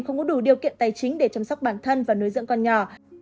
không có đủ điều kiện tài chính để chăm sóc bản thân và nuôi dưỡng con nhỏ